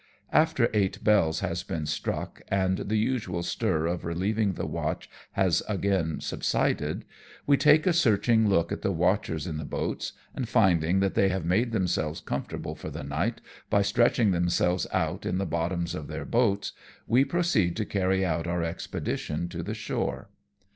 After eight bells has been struck and the usual stir of relieving the watch has again subsided, we take a searching look at the watchers in the boats, and finding that they have made themselves comfortable for the night by stretching themselves out in the bottoms of their boats, we proceed to carry out our expedition to the shore.